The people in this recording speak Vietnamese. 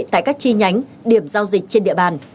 tại các chi nhánh điểm giao dịch trên địa bàn